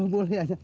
oh boleh aja